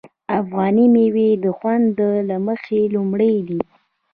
افغاني میوې د خوند له مخې لومړی دي.